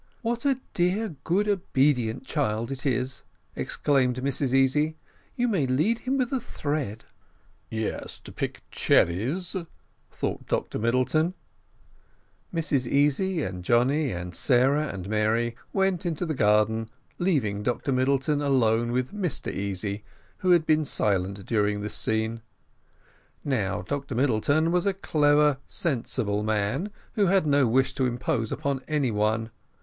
"What a dear, good, obedient child it is!" exclaimed Mrs Easy: "you may lead him with a thread." "Yes, to pick cherries," thought Dr Middleton. Mrs Easy, and Johnny, and Sarah, and Mary went into the garden, leaving Dr Middleton alone with Mr Easy, who had been silent during this scene. Now Dr Middleton was a clever, sensible man, who had no wish to impose upon any one.